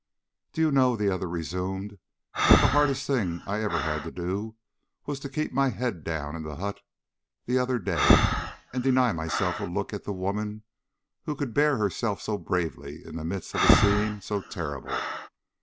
"Do you know," the other resumed, "that the hardest thing I ever had to do was to keep my head down in the hut the other day, and deny myself a look at the woman who could bear herself so bravely in the midst of a scene so terrible.